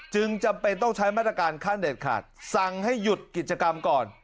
จำเป็นต้องใช้มาตรการขั้นเด็ดขาดสั่งให้หยุดกิจกรรมก่อน